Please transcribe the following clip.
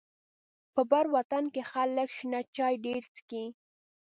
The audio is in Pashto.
په بر وطن کې خلک شنه چای ډيره څکي.